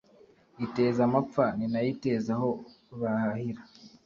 iteza amapfa ninayo iteza aho bahahira